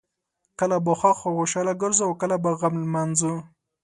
کله به خوښ او خوشحاله ګرځو او کله به غم لمانځو.